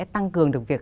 tăng cường được việc